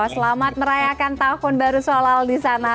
selamat merayakan tahun baru solal di sana